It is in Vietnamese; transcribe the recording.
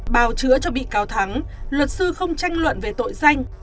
bào chữa cho bị cáo thắng luật sư không tranh luận về tội danh